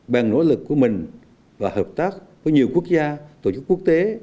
bằng nỗ lực của mình và hợp tác với nhiều quốc gia tổ chức quốc tế